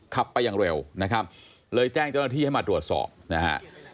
ขับไปอย่างเร็วนะครับเลยแจ้งเจ้าหน้าที่ให้มาตรวจสอบนะฮะ